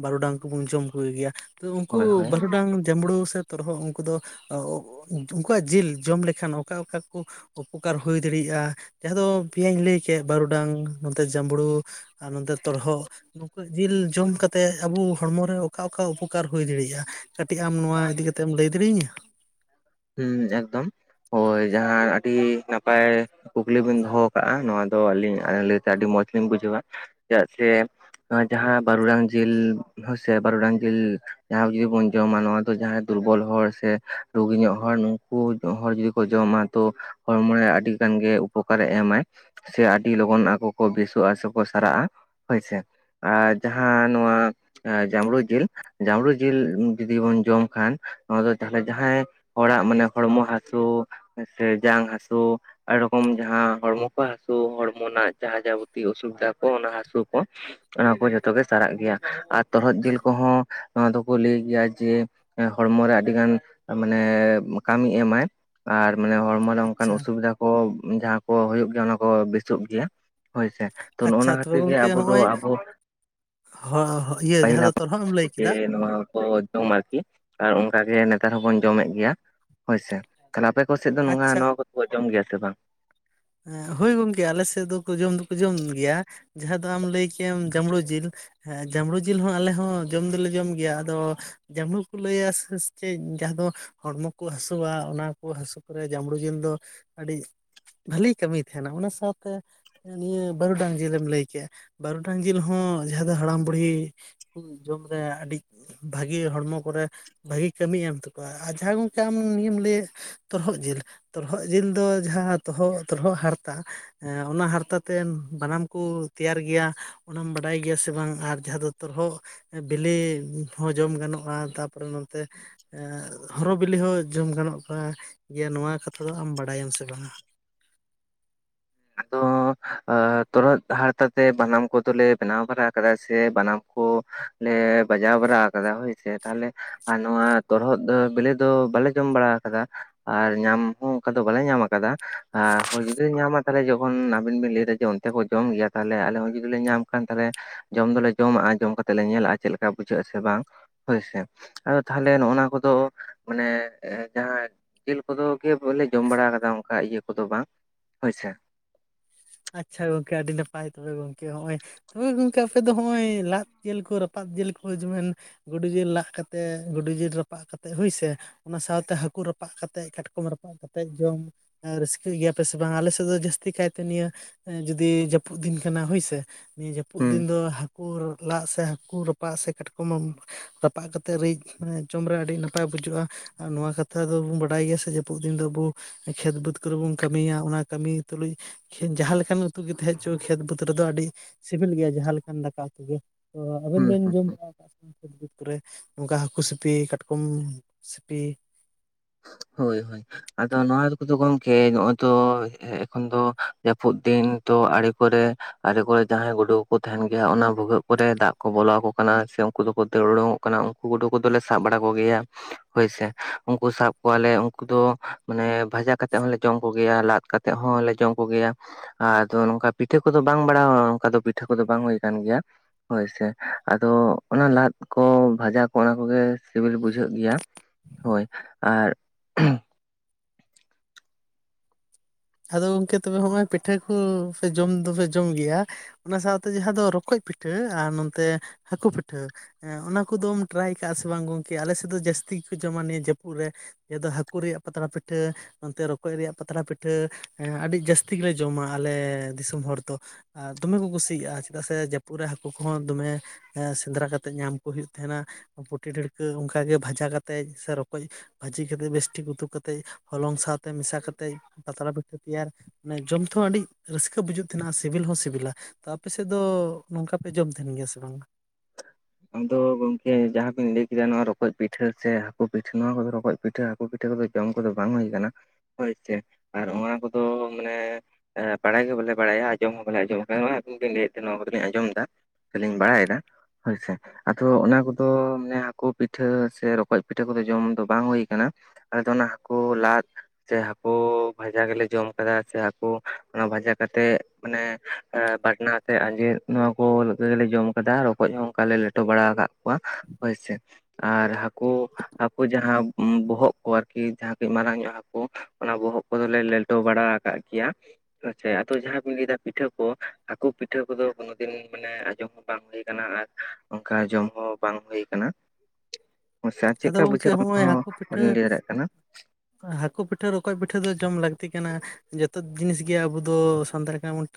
ᱵᱟᱨᱩᱰᱟᱝ ᱠᱩᱵᱩᱱ ᱡᱚᱢ ᱠᱚᱜᱮ ᱜᱮᱭᱟ᱾ ᱛᱚ ᱩᱱᱠᱩ ᱦᱳᱭ ᱦᱳᱭ ᱵᱟᱹᱨᱩᱰᱟᱝ, ᱡᱟᱸᱢᱲᱳ ᱥᱮ ᱛᱚᱨᱦᱚᱫᱽ ᱩᱱᱠᱩ ᱫᱚ ᱚ ᱚᱜ ᱩᱝ ᱩᱱᱠᱩᱣᱟᱜ ᱡᱤᱞ ᱡᱚᱢ ᱞᱮᱠᱷᱟᱱ ᱚᱠᱟ ᱚᱠᱟ ᱠᱚ ᱩᱯᱚᱠᱟᱨ ᱦᱩᱭ ᱫᱟᱲᱮᱭᱟᱜᱼᱟ, ᱡᱟᱦᱟᱸ ᱫᱚ ᱯᱮᱭᱟᱧ ᱞᱟᱹᱭ ᱠᱮᱫ ᱵᱟᱨᱩᱰᱟᱝ ᱱᱚᱱᱛᱮ ᱡᱟᱸᱵᱲᱳ ᱟᱨ ᱱᱚᱱᱛᱮ ᱛᱚᱨᱦᱚᱫ᱾ ᱡᱤᱞ ᱡᱚᱢ ᱠᱟᱛᱮᱫ ᱟᱵᱚ ᱦᱚᱲᱢᱚ ᱨᱮ ᱚᱠᱟ ᱚᱠᱟ ᱩᱯᱚᱠᱟᱨ ᱦᱩᱭ ᱫᱟᱲᱮᱭᱟᱜᱼᱟ? ᱠᱟᱹᱴᱤᱡ ᱟᱢ ᱱᱚᱣᱟ ᱤᱫᱤ ᱠᱟᱛᱮᱫ ᱮᱢ ᱞᱟᱹᱭ ᱫᱟᱲᱮᱭᱤᱧᱟ? ᱦᱩᱸ ᱮᱠᱫᱚᱢ, ᱦᱳᱭ ᱡᱟᱦᱟᱸ ᱟᱹᱰᱤ ᱱᱟᱯᱟᱭ ᱠᱩᱠᱞᱤ ᱵᱮᱱ ᱫᱚᱦᱚ ᱟᱠᱟᱜᱼᱟ ᱱᱚᱣᱟ ᱫᱚ ᱟᱹᱞᱤᱧ ᱚᱱᱟ ᱞᱟᱹᱭᱛᱮ ᱟᱹᱰᱤ ᱢᱚᱸᱡᱽ ᱞᱤᱧ ᱵᱩᱡᱷᱟᱹᱣᱟ᱾ ᱪᱮᱫᱟᱜ ᱥᱮ ᱱᱚᱣᱟ ᱡᱟᱦᱟᱸ ᱵᱟᱨᱩᱰᱟᱝ ᱡᱤᱞ, ᱦᱳᱭ ᱥᱮ ᱵᱟᱨᱩᱰᱟᱝ ᱡᱤᱞ ᱡᱟᱦᱟᱸ ᱡᱩᱫᱤ ᱵᱚᱱ ᱡᱚᱢᱟ ᱱᱚᱣᱟ ᱫᱚ ᱡᱟᱦᱟᱸ ᱫᱩᱨᱵᱚᱞ ᱦᱚᱲ ᱥᱮ ᱨᱩᱜᱤ ᱧᱚᱜ ᱦᱚᱲ ᱩᱱᱠᱩ ᱦᱚᱲ ᱡᱩᱫᱤ ᱠᱚ ᱡᱚᱢᱟ ᱛᱚ ᱦᱚᱲᱢᱚ ᱨᱮ ᱟᱹᱰᱤ ᱜᱟᱱ ᱜᱮ ᱩᱯᱚᱠᱟᱨ ᱮ ᱮᱢᱟᱭ᱾ ᱥᱮ ᱟᱹᱰᱤ ᱞᱚᱜᱚᱱ ᱟᱠᱚ ᱠᱚ ᱵᱮᱥᱚᱜ-ᱟ ᱥᱮ ᱠᱚ ᱥᱟᱨᱟᱜ-ᱟ ᱦᱳᱭᱥᱮ ᱾ ᱟᱨ ᱡᱟᱦᱟᱸ ᱱᱚᱣᱟ ᱡᱟᱸᱵᱽᱲᱩ ᱡᱤᱞ ᱡᱟᱸᱵᱽᱲᱩ ᱡᱤᱞ ᱡᱩᱫᱤ ᱵᱚᱱ ᱡᱚᱢ ᱠᱷᱟᱱ ᱱᱚᱣᱟ ᱫᱚ ᱛᱟᱦᱞᱮ ᱡᱟᱦᱟᱸᱭ ᱦᱚᱲᱟᱜ ᱢᱟᱱᱮ ᱦᱚᱲᱢᱚ ᱦᱟᱹᱥᱩ ᱥᱮ ᱡᱟᱝ ᱦᱟᱹᱥᱩ ᱟᱹᱰᱤ ᱨᱚᱠᱚᱢ ᱡᱟᱦᱟᱸ ᱦᱚᱲᱢᱚ ᱠᱚ ᱦᱟᱹᱥᱩ ᱦᱚᱲᱢᱚ ᱨᱮᱱᱟᱜ ᱡᱟᱦᱟᱸ ᱡᱟᱵᱚᱛᱤ ᱚᱥᱩᱵᱤᱫᱷᱟ ᱠᱚ ᱚᱱᱟ ᱦᱟᱹᱥᱩ ᱠᱚ ᱚᱱᱟ ᱠᱚ ᱡᱚᱛᱚ ᱜᱮ ᱥᱟᱨᱟᱜ ᱜᱮᱭᱟ ᱟᱨ ᱛᱚᱨᱦᱚᱫ ᱡᱤᱞ ᱠᱚᱦᱚᱸ ᱱᱚᱣᱟ ᱫᱚᱠᱚ ᱞᱟᱹᱭ ᱜᱮᱭᱟ ᱡᱮ ᱦᱚᱲᱢᱚ ᱨᱮ ᱟᱹᱰᱤ ᱜᱟᱱ ᱮᱻ ᱠᱟᱹᱢᱤᱭ ᱮᱢᱟᱭ ᱟᱨ ᱢᱟᱱᱮ ᱦᱚᱲᱢᱚᱨ ᱨᱮ ᱚᱱᱠᱟᱱ ᱟᱪᱪᱷᱟ ᱚᱥᱩᱵᱤᱫᱟ ᱠᱚ ᱡᱟᱦᱟᱸ ᱠᱚ ᱦᱩᱭᱩᱜ ᱜᱮᱭᱟ ᱚᱱᱟ ᱠᱚ ᱵᱮᱥᱚᱜ ᱜᱮᱭᱟ᱾ ᱦᱳᱭ ᱥᱮ, ᱛᱚ ᱟᱪᱪᱷᱟ ᱱᱚᱜᱼᱱᱟ ᱛᱚᱵᱮ ᱠᱷᱟᱹᱛᱤᱨ ᱜᱮ ᱜᱚᱝᱠᱮ ᱟᱵᱚ ᱫᱚ ᱦᱚᱸᱜᱼᱚᱭ ᱟᱵᱚ [inaudible] ᱦᱚ ᱤᱭᱟᱹ ᱯᱟᱹᱦᱤᱞ ᱡᱟᱦᱟᱸ ᱫᱚ ᱦᱟᱯᱲᱟᱢ ᱯᱨᱚᱛᱷᱚᱢ ᱮᱢ ᱞᱟᱹᱭ ᱠᱮᱫᱟ᱾ ᱡᱮ ᱱᱚᱣᱟ ᱠᱚ ᱡᱚᱢ ᱟᱨᱠᱤ, ᱟᱨ ᱚᱱᱠᱟᱜᱮ ᱱᱮᱛᱟᱨ ᱦᱚᱸᱵᱚᱱ ᱡᱚᱢᱮᱫ ᱜᱮᱭᱟ ᱾ ᱦᱳᱭ ᱥᱮ, ᱛᱟᱦᱚᱞᱮ ᱟᱯᱮ ᱠᱚ ᱥᱮᱫ ᱫᱚ ᱱᱚᱦᱟ ᱟᱪᱪᱷᱟ ᱱᱚᱣᱟ ᱠᱚᱫᱚ ᱠᱚ ᱡᱚᱢ ᱜᱮᱭᱟ ᱥᱮ ᱵᱟᱝ? ᱦᱩᱸ ᱦᱳᱭ ᱜᱚᱢᱠᱮ ᱟᱞᱮ ᱥᱮᱫ ᱫᱚᱠᱚ ᱡᱚᱢ ᱫᱚᱠᱚ ᱡᱚᱢ ᱜᱮᱭᱟ ᱡᱟᱦᱟᱸ ᱫᱚ ᱟᱢ ᱞᱟᱹᱭ ᱠᱮᱜᱟᱢ ᱡᱟᱸᱢᱲᱩ ᱡᱤᱞ᱾ ᱦᱮᱸ ᱡᱟᱸᱢᱲᱩ ᱡᱤᱞ ᱦᱚᱸ ᱟᱞᱮ ᱦᱚᱸ ᱡᱚᱢ ᱫᱚᱞᱮ ᱡᱚᱢ ᱜᱮᱭᱟ ᱾ ᱟᱫᱚ ᱡᱟᱸᱵᱽᱲᱩ ᱠᱚ ᱞᱟᱹᱭᱟ ᱥᱮ ᱪᱮᱫ ᱡᱟᱦᱟᱸ ᱫᱚ ᱦᱚᱲᱢᱚ ᱠᱚ ᱦᱟᱹᱥᱩᱣᱟ ᱚᱱᱟ ᱠᱚ ᱦᱟᱹᱥᱩ ᱠᱚᱨᱮ ᱡᱟᱸᱢᱲᱩ ᱡᱤᱞ ᱫᱚ ᱟᱹᱰᱤ ᱵᱷᱟᱹᱞᱤ ᱠᱟᱹᱢᱤ ᱛᱟᱦᱮᱱᱟ ᱾ ᱚᱱᱟ ᱥᱟᱶᱛᱮ ᱱᱤᱭᱟᱹ ᱵᱟᱹᱨᱩᱰᱟᱝ ᱡᱤᱞᱮᱢ ᱞᱟᱹᱭ ᱠᱮᱜ-ᱟ, ᱵᱟᱹᱨᱩᱰᱟᱝ ᱡᱤᱞ ᱦᱚᱸ ᱡᱟᱦᱟᱸ ᱫᱚ ᱦᱟᱲᱟᱢ ᱵᱩᱲᱦᱤ ᱦᱩᱸ ᱡᱚᱢ ᱨᱮ ᱟᱹᱰᱤ ᱵᱷᱟᱜᱤ ᱦᱚᱲᱢᱚ ᱠᱚᱨᱮ ᱵᱷᱟᱹᱜᱤ ᱠᱟᱹᱢᱤᱭ ᱮᱢ ᱛᱟᱠᱚᱣᱟ ᱾ ᱟᱨ ᱡᱟᱦᱟᱸᱭ ᱜᱚᱢᱠᱮ ᱟᱢ ᱱᱤᱭᱟᱹᱮᱢ ᱞᱟᱹᱭᱮᱫ ᱛᱚᱨᱚᱦᱚᱫ ᱡᱤᱞ ᱛᱚᱨᱚᱦᱚᱫ ᱡᱤᱞ ᱫᱚ ᱡᱟᱦᱟᱸ ᱫᱚᱦᱚ ᱛᱚᱨᱚᱦᱚᱫ ᱦᱟᱨᱛᱟ ᱦᱮᱸ ᱚᱱᱟ ᱦᱟᱨᱛᱟ ᱛᱮ ᱵᱟᱱᱟᱢ ᱠᱚ ᱛᱮᱭᱟᱨ ᱜᱮᱭᱟ᱾ ᱚᱱᱟᱢ ᱵᱟᱰᱟᱭ ᱜᱮᱭᱟ ᱥᱮ ᱵᱟᱝ ᱟᱨ ᱡᱟᱦᱟᱸ ᱫᱚ ᱛᱚᱨᱦᱚᱫ ᱵᱤᱞᱤ ᱦᱚᱸ ᱡᱚᱢ ᱜᱟᱱᱚᱜ-ᱟ ᱾ ᱛᱟᱨᱯᱚᱨᱮ ᱱᱚᱱᱚᱛᱮ ᱦᱚᱨᱚ ᱵᱤᱞᱤ ᱦᱚᱸ ᱡᱚᱢ ᱜᱟᱱᱚᱜ ᱠᱟᱱᱟ ᱜᱮᱭᱟ ᱱᱚᱣᱟ ᱠᱟᱛᱷᱟ ᱫᱚ ᱟᱢ ᱵᱟᱰᱟᱭᱟᱢ ᱥᱮ ᱵᱟᱝᱟ? ᱟᱫᱚ ᱟᱸ ᱛᱚᱨᱦ ᱚᱫ ᱦᱟᱨᱛᱟ ᱛᱮ ᱵᱟᱱᱟᱢ ᱠᱚᱫᱚᱞᱮ ᱵᱮᱱᱟᱣ ᱵᱮᱱᱟᱣ ᱟᱠᱟᱫᱟ [unintelligible] ᱥᱮ ᱵᱟᱱᱟᱢ ᱠᱚ ᱞᱮ ᱵᱟᱡᱟᱣ ᱵᱟᱨᱟ ᱟᱠᱟᱫᱟ ᱦᱳᱭᱥᱮ ᱾ ᱛᱟᱦᱞᱮ ᱟᱨ ᱱᱚᱣᱟ ᱛᱚᱨᱦᱚᱫ ᱵᱮᱞᱮ ᱫᱚ ᱵᱟᱞᱮ ᱡᱚᱢ ᱵᱟᱲᱟ ᱟᱠᱟᱫᱟ ᱾ ᱟᱨ ᱧᱟᱢ ᱦᱚᱸ ᱚᱱᱠᱟ ᱫᱚ ᱵᱟᱞᱮ ᱧᱟᱢ ᱟᱠᱟᱫᱟ ᱟ ᱦᱳᱭ ᱡᱩᱫᱤ ᱧᱟᱢ ᱟ ᱛᱟᱦᱞᱮ ᱡᱚᱠᱷᱚᱱ ᱟᱵᱤᱱ ᱵᱤᱱ ᱞᱟᱹᱭ ᱮᱫᱟ ᱡᱮ ᱚᱱᱛᱮ ᱠᱚ ᱡᱚᱢ ᱜᱮᱭᱟ ᱾ ᱛᱟᱦᱚᱞᱮ ᱟᱞᱮ ᱦᱚᱸ ᱡᱩᱫᱤ ᱞᱮ ᱧᱟᱢ ᱠᱷᱟᱱ ᱛᱟᱦᱞᱮ ᱡᱚᱢ ᱫᱚᱞᱮ ᱡᱚᱢᱟᱜ-ᱟ, ᱡᱚᱢ ᱠᱟᱛᱮᱫ ᱞᱮ ᱧᱮᱞᱟᱜ-ᱟ ᱪᱮᱫ ᱞᱮᱠᱟ ᱵᱩᱡᱷᱟᱹᱜ ᱟᱥᱮ ᱵᱟᱝ ᱾ ᱦᱳᱭᱥᱮ, ᱟᱫᱚ ᱛᱟᱦᱞᱮ ᱱᱚᱜ-ᱱᱟ ᱠᱚᱫᱚ ᱢᱟᱱᱮᱻ ᱡᱟᱦᱟᱸ ᱡᱮᱞ ᱠᱚᱫᱚ ᱜᱮ ᱵᱚᱞᱮ ᱡᱚᱢ ᱵᱟᱲᱟ ᱟᱠᱟᱫᱟ ᱚᱝᱠᱟ ᱤᱭᱟᱹ ᱠᱚᱫᱚ ᱵᱟᱝ, ᱦᱳᱭᱥᱮ ᱾ ᱟᱪᱪᱷᱟ ᱜᱚᱝᱠᱮ ᱟᱹᱰᱤ ᱱᱟᱯᱟᱭ, ᱛᱚᱵᱮ ᱜᱚᱝᱠᱮ ᱦᱚᱸᱜ-ᱚᱭ ᱛᱚᱵᱮ ᱜᱚᱝᱠᱮ ᱟᱯᱮ ᱫᱚ ᱦᱚᱜ-ᱚᱭ ᱞᱟᱫ ᱡᱮᱞ ᱠᱚ ᱨᱟᱯᱟᱜ ᱡᱮᱞ ᱠᱚ ᱡᱮᱢᱚᱱ ᱜᱩᱰᱩ ᱡᱤᱞ ᱞᱟᱜ ᱠᱟᱛᱮᱫ ᱜᱩᱰᱩ ᱡᱤᱞ ᱨᱟᱯᱟᱜ ᱠᱟᱛᱮᱫ ᱦᱳᱭᱥᱮ ᱾ ᱚᱱᱟ ᱥᱟᱶᱛᱮ ᱦᱟᱹᱠᱩ ᱨᱟᱯᱟᱜ ᱠᱟᱛᱮᱜ ᱠᱟᱴᱠᱚᱢ ᱨᱟᱯᱟᱜ ᱠᱟᱛᱮᱜ ᱡᱚᱢ ᱨᱟᱹᱥᱠᱟᱹᱜ ᱜᱮᱭᱟ ᱯᱮ ᱥᱮ ᱵᱟᱝ ᱟᱞᱮ ᱥᱮᱜ ᱫᱚ ᱡᱟᱹᱥᱛᱤ ᱠᱟᱭᱛᱮ ᱱᱤᱭᱟᱹ ᱡᱩᱫᱤ ᱡᱟᱹᱯᱩᱫ ᱫᱤᱱ ᱠᱟᱱᱟ ᱦᱳᱭᱥᱮ ᱾ ᱱᱤᱭᱟᱹ ᱡᱟᱹᱯᱩᱫ ᱦᱩᱸ ᱫᱤᱱ ᱫᱚ ᱦᱟᱹᱠᱩ ᱞᱟᱜ ᱥᱮ ᱦᱟᱹᱠᱩ ᱨᱟᱯᱟᱜ ᱥᱮ ᱠᱟᱴᱠᱚᱢ [unintelligible] ᱨᱟᱯᱟᱜ ᱠᱟᱛᱮᱫ ᱨᱤᱫ ᱡᱚᱢ ᱨᱮ ᱟᱹᱰᱤ ᱱᱟᱯᱟᱭ ᱵᱩᱡᱷᱩᱜ-ᱟ ᱾ ᱟᱨ ᱱᱚᱣᱟ ᱠᱟᱛᱷᱟ ᱫᱚᱵᱚᱱ ᱵᱟᱰᱟᱭ ᱜᱮᱭᱟ ᱥᱮ ᱡᱟᱹᱯᱩᱫ ᱫᱤᱱ ᱫᱚ ᱟᱵᱩ ᱠᱷᱮᱛ ᱵᱟᱹᱫᱽ ᱠᱚᱨᱮ ᱵᱚᱱ ᱠᱟᱹᱢᱤᱭᱟ ᱾ ᱚᱱᱟ ᱠᱟᱹᱢᱤ ᱛᱩᱞᱩᱡ ᱡᱟᱦᱟᱸ ᱞᱮᱠᱟᱱ ᱩᱛᱩ ᱜᱤ ᱛᱟᱦᱮᱸ ᱦᱚᱪᱚᱡ᱾ ᱠᱷᱮᱛ ᱵᱟᱹᱫᱽ ᱨᱮᱫᱚ ᱟᱹᱰᱤ ᱥᱤᱵᱮᱞ ᱜᱮᱭᱟ ᱡᱟᱦᱟᱸ ᱞᱮᱠᱟᱱ ᱫᱟᱠᱟ ᱩᱛᱩ ᱜᱮ᱾ ᱛᱚ ᱟᱵᱮᱱ ᱦᱩᱸ ᱵᱮᱱ ᱡᱚᱢ ᱵᱟᱲᱟ ᱠᱟᱜ ᱠᱷᱮᱛ ᱵᱟᱹᱫᱽ ᱠᱚᱨᱮ, ᱚᱱᱠᱟ ᱦᱟᱹᱠᱩ ᱥᱤᱯᱤ ᱠᱟᱴᱠᱚᱢ ᱥᱤᱯᱤ᱾ ᱦᱳᱭ ᱦᱳᱭ ᱟᱫᱚ ᱱᱚᱣᱟ ᱠᱚᱫᱚ ᱜᱚᱝᱠᱮ ᱱᱚᱜᱼᱚᱭ ᱛᱚ ᱮ ᱮᱠᱷᱚᱱ ᱫᱚ ᱡᱟᱹᱯᱩᱫ ᱫᱤᱱ ᱛᱚ ᱟᱲᱮ ᱠᱚᱨᱮ ᱟᱨᱮ ᱠᱚᱨᱮ ᱡᱟᱦᱟᱸᱭ ᱜᱳᱰᱳ ᱠᱚᱠᱚ ᱛᱟᱸᱦᱮᱱ ᱜᱮᱭᱟ᱾ ᱚᱱᱟ ᱵᱷᱩᱜᱟᱹᱜ ᱠᱚᱨᱮ ᱫᱟᱜ ᱠᱚ ᱵᱚᱞᱚ ᱟᱠᱚ ᱠᱟᱱᱟ ᱥᱮ ᱩᱱᱠᱩ ᱫᱚᱠᱚ ᱫᱟᱹᱲ ᱩᱬᱳᱝ ᱠᱟᱱᱟ ᱩᱱᱠᱩ ᱜᱩᱰᱳ ᱠᱚᱫᱚᱞᱮ ᱥᱟᱵ ᱵᱟᱲᱟ ᱠᱚ ᱜᱮᱭᱟ ᱾ᱦᱳᱭ ᱥᱮ ᱩᱝᱠᱩ ᱥᱟᱵ ᱠᱚᱣᱟᱞᱮ ᱩᱱᱠᱩ ᱫᱚ, ᱢᱟᱱᱮ ᱵᱷᱟᱡᱟ ᱠᱟᱛᱮᱜ ᱦᱚᱸᱞᱮ ᱡᱚᱢ ᱠᱚᱜᱮᱭᱟ, ᱞᱟᱫ ᱠᱟᱛᱮᱷ ᱦᱚᱸᱞᱮ ᱡᱚᱢ ᱠᱚᱜᱮᱭᱟ᱾ ᱟ ᱫᱚ ᱱᱚᱝᱠᱟ ᱯᱤᱴᱷᱟᱹ ᱠᱚᱫᱚ ᱵᱟᱝ [unintelligible] ᱚᱱᱠᱟ ᱫᱚ ᱯᱤᱴᱷᱟᱹ ᱠᱚᱫᱚ ᱵᱟᱝ ᱦᱳᱭ ᱠᱟᱱ ᱜᱮᱭᱟ᱾ ᱦᱳᱭ ᱥᱮ, ᱟᱫᱚ ᱚᱱᱟ ᱞᱟᱫ ᱠᱚ ᱵᱷᱟᱡᱟ ᱠᱚ ᱚᱱᱟ ᱠᱚᱜᱮ, ᱥᱤᱵᱤᱞ ᱵᱩᱡᱷᱟᱹᱜ ᱜᱮᱭᱟ᱾ ᱦᱳᱭ ᱟᱨ ᱟᱫᱚ ᱜᱚᱝᱠᱮ ᱛᱚᱵᱮ ᱦᱚᱜᱚᱭ ᱯᱤᱴᱷᱟᱹ ᱠᱩ ᱯᱮ ᱡᱚᱢ ᱫᱚᱯᱮ ᱡᱚᱢ ᱜᱤᱭᱟ ᱚᱱᱟ ᱥᱟᱶᱛᱮ ᱡᱟᱦᱟᱸ ᱫᱚ, ᱨᱚᱠᱚᱡ ᱯᱤᱴᱷᱟᱹ ᱟᱨ ᱱᱚᱱᱛᱮ ᱦᱟᱹᱠᱩ ᱯᱤᱴᱷᱟ᱾ᱹ ᱦᱮᱸ ᱚᱱᱟ ᱠᱚᱫᱚᱢ ᱴᱨᱟᱭ ᱠᱟᱜᱼᱟ ᱥᱮ ᱵᱟᱝ ᱜᱚᱝᱠᱮ? ᱟᱞᱮ ᱥᱮᱫ ᱫᱚ ᱡᱟᱹᱥᱛᱤ ᱜᱤᱠᱚ ᱡᱚᱢᱟ ᱱᱤᱭᱟᱹ ᱡᱟᱹᱯᱩᱫ ᱨᱮ᱾ ᱱᱤᱭᱟᱹ ᱫᱚ ᱦᱟᱹᱠᱩ ᱨᱮᱭᱟᱜ ᱯᱟᱛᱲᱟ, ᱯᱤᱴᱷᱟᱹ ᱱᱚᱛᱮ ᱨᱚᱠᱚᱡ ᱨᱮᱭᱟᱜ ᱯᱟᱛᱲᱟ ᱯᱤ ᱴᱷᱟᱹ ᱟᱰᱤ ᱡᱟᱹᱥᱛᱤ ᱜᱮᱞᱮ ᱡᱚᱢᱟ ᱟᱞᱮ ᱫᱤᱥᱚᱢ ᱦᱚᱲ ᱛᱚ᱾ ᱟ ᱫᱚᱢᱮ ᱠᱚ ᱠᱩᱥᱤᱭᱟᱜᱼᱟ᱾ ᱪᱮᱫᱟᱜ ᱥᱮ ᱡᱟᱹᱯᱩᱫ ᱨᱮ ᱦᱟᱹᱠᱩ ᱠᱚᱦᱚᱸ ᱫᱚᱢᱮ ᱥᱮᱸᱫᱽᱨᱟ ᱠᱟᱛᱮᱜ ᱧᱟᱢ ᱠᱚ ᱦᱩᱭᱩᱜ ᱛᱟᱦᱮᱱᱟ᱾ ᱯᱩᱴᱤ ᱰᱷᱲᱠᱟᱹ ᱚᱝᱠᱟᱜᱮ ᱵᱷᱟᱡᱟ ᱠᱟᱛᱮᱡ ᱥᱮ ᱨᱚᱠᱚᱡ ᱵᱷᱟᱹᱡᱤ ᱠᱟᱛᱮᱫ ᱵᱮᱥ ᱴᱷᱤᱠ ᱩᱛᱩ ᱠᱟᱛᱮᱡ ᱦᱚᱞᱚᱝ ᱥᱟᱶᱛᱮ ᱢᱮᱥᱟ ᱠᱟᱛᱮᱡ ᱯᱟᱛᱲᱟ ᱯᱤᱴᱷᱟᱹ ᱛᱤᱭᱟᱨ᱾ ᱢᱟᱱᱮ ᱡᱚᱢ ᱛᱮᱦᱚ ᱟᱹᱰᱤ ᱨᱟᱹᱥᱠᱟᱹ ᱵᱩᱡᱩᱜ ᱛᱮᱦᱮᱱᱟ ᱟᱨ ᱥᱤᱵᱮᱞ ᱦᱚᱸ ᱥᱤᱵᱮᱞᱟ᱾ ᱛᱚ ᱟᱯᱮ ᱥᱮᱜ ᱫᱚ ᱱᱚᱝᱠᱟ ᱯᱮ ᱡᱚᱢ ᱛᱮᱦᱮᱱ ᱜᱮᱭᱟ ᱥᱮ ᱵᱟᱝ? ᱟᱫᱚ ᱜᱚᱝᱠᱮ ᱡᱟᱦᱟᱸᱵᱤᱱ ᱞᱟᱹᱭ, ᱠᱮᱫᱟ ᱱᱚᱣᱟ ᱨᱚᱠᱚᱡ ᱯᱤᱴᱷᱟᱹ ᱥᱮ ᱦᱟᱹᱠᱩ ᱯᱤᱴᱷᱟᱹ ᱱᱚᱶᱟ ᱠᱚᱫᱚ ᱨᱚᱠᱚᱡ ᱯᱤᱴᱷᱟᱹ ᱦᱟᱹᱠᱳ ᱯᱤᱴᱷᱟᱹ ᱠᱚᱫᱚ ᱡᱚᱢ ᱠᱚᱫᱚ ᱵᱟᱝ ᱦᱳᱭ ᱠᱟᱱᱟ᱾ ᱦᱳᱭᱥᱮ ᱟᱨ ᱚᱱᱟ ᱠᱚᱫᱚ ᱢᱟᱱᱮ ᱮ ᱵᱟᱲᱟᱭ ᱜᱮ ᱵᱟᱞᱮ ᱵᱟᱲᱟᱭᱟ᱾ ᱟᱸᱡᱚᱢ ᱦᱚᱸ ᱵᱟᱞᱮ ᱟᱸᱡᱚᱢ ᱠᱟᱜᱼᱟ᱾ ᱱᱚᱣᱟ ᱟᱵᱤᱱ ᱵᱤᱱ ᱞᱟᱹᱭᱮᱫ ᱛᱮ ᱱᱚᱣᱟ ᱠᱚᱫᱚ ᱞᱤᱧ ᱟᱸᱡᱚᱢ ᱫᱟ ᱥᱮ ᱞᱤᱧ ᱵᱟᱲᱟᱭᱮᱫᱟ ᱦᱳᱭᱥᱮ᱾ ᱟᱫᱚ ᱚᱱᱟ ᱠᱚᱫᱚ ᱢᱟᱱᱮ ᱦᱟᱹᱠᱳ ᱯᱤᱴᱷᱟᱹ ᱥᱮ ᱨᱚᱠᱚᱡ ᱯᱤᱴᱷᱟᱹ ᱠᱚᱫᱚ ᱡᱚᱢ ᱫᱚ ᱵᱟᱝ ᱦᱳᱭ ᱠᱟᱱᱟ᱾ ᱟᱞᱮ ᱫᱚ ᱚᱱᱟ ᱦᱟᱹᱠᱳ ᱞᱟᱫ᱾ ᱥᱮ ᱦᱟᱹᱠᱳ ᱵᱷᱟᱡᱟ ᱜᱮᱞᱮ ᱡᱚᱢ ᱠᱟᱫᱟ, ᱥᱮ ᱦᱟᱹᱠᱳ ᱚᱱᱟ ᱵᱷᱟᱡᱟ ᱠᱟᱛᱮᱜ ᱢᱟᱱᱮ ᱵᱟᱴᱱᱟ ᱟᱛᱮᱜ ᱟᱸᱡᱮᱫ, ᱱᱚᱶᱟ ᱠᱚ ᱱᱚᱛᱮ ᱫᱚᱞᱮ ᱡᱚᱢ ᱠᱟᱫᱟ ᱨᱚᱠᱚᱡ ᱦᱚᱸ ᱚᱱᱠᱟ ᱞᱮ ᱞᱮᱴᱚ ᱵᱟᱲᱟ ᱠᱟᱜ ᱠᱚᱣᱟ ᱦᱳᱭᱥᱮ᱾ ᱟᱨ ᱦᱟᱹᱠᱳ ᱦᱟᱹᱠᱳ ᱡᱟᱸᱦᱟ ᱵᱚᱦᱚᱜ ᱠᱚ᱾ ᱟᱨᱠᱤ ᱡᱟᱸᱦᱟ ᱠᱟᱡ ᱢᱟᱨᱟᱝ ᱧᱚᱜ ᱦᱟᱹᱠᱳ ᱚᱱᱟ ᱵᱚᱦᱚᱜ ᱠᱚᱫᱚᱞᱮ ᱞᱮᱴᱚ ᱵᱟᱲᱟ ᱠᱟᱜ ᱜᱤᱭᱟ᱾ ᱟᱪᱪᱷᱟ ᱟᱫᱚ ᱡᱟᱦᱟᱸ ᱵᱤᱱ ᱞᱟᱹᱭᱫᱟ ᱯᱤᱴᱷᱟᱹ ᱠᱚ ᱦᱟᱹᱠᱳ ᱯᱤᱴᱷᱟᱹ ᱠᱚᱫᱚ ᱠᱳᱱᱳ ᱫᱤᱱ ᱢᱟᱱᱮ ᱟᱸᱡᱚᱢ ᱵᱟᱝ ᱦᱩᱭ ᱟᱠᱟᱱᱟ᱾ ᱟᱨ ᱚᱱᱠᱟ ᱡᱚᱢ ᱦᱚᱸ ᱵᱟᱝ ᱦᱩᱭ ᱠᱟᱱᱟ᱾ ᱟᱨ ᱟᱫᱚ ᱪᱮᱫᱠᱟ ᱜᱚᱝᱠᱮ ᱵᱩᱡᱷᱟ ᱚᱱᱟ ᱦᱚᱸᱜᱼᱚᱭ ᱦᱚᱸ ᱦᱟᱹᱠᱩ ᱯᱤᱴᱷᱟᱹ ᱵᱟᱹᱤᱧ ᱞᱟᱹᱭ ᱫᱟᱲᱮᱭᱟᱜ ᱠᱟᱱᱟ᱾ ᱦᱟᱹᱠᱩ ᱯᱤᱴᱷᱟᱹ ᱨᱚᱠᱚᱡ ᱯᱤᱴᱷᱟᱹ ᱫᱚ ᱡᱚᱢ ᱞᱟᱹᱠᱛᱤ ᱠᱟᱱᱟ᱾ ᱡᱚᱛᱚ ᱡᱤᱱᱤᱥ ᱜᱮ ᱟᱵᱚ ᱫᱚ ᱥᱟᱱᱛᱟᱲ ᱠᱟᱱᱟ ᱵᱚᱱ